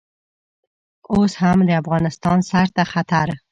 اوس هم د افغانستان سر ته خطر.